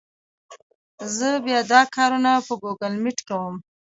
زه بیا دا کارونه په ګوګل مېپ کوم.